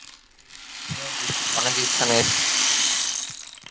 এছাড়াও, বিশ্বের অনেক স্থানে এর শাখা রয়েছে।